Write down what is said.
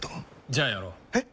じゃあやろう。え？